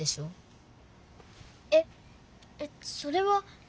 ええっそれは。